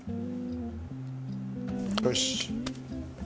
よし！